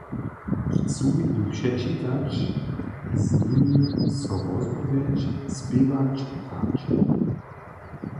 Chcu jim předčitać, z nimi so rozmołwjeć, spěwać, hrać.